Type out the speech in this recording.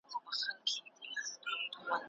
اسلام د منځلارۍ غوره لاره ده.